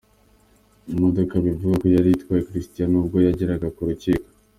Imodoka bivugwa ko yari itwaye Cristiano ubwo yageraga ku rukiko.